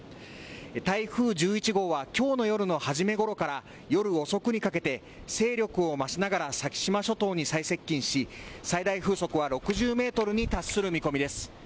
台風１１号は今日の夜の始めごろから夜遅くにかけて勢力を増しながら先島諸島に最接近し最大風速は６０メートルに達する見込みです。